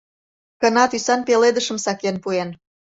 Кына тӱсан пеледышым сакен пуэн...